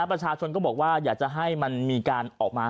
ประชาชนก็บอกว่าอยากจะให้มันมีการออกมา